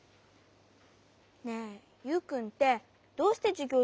ねえユウくんってどうしてじゅぎょう